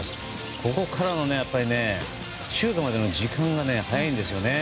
ここからのシュートまでの時間が早いんですよね。